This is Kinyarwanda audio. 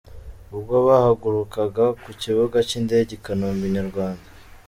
Ubwo bahagurukaga ku kibuga cy’indege i Kanombe inyarwanda.